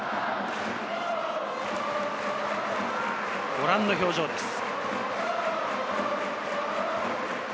ご覧の表情です。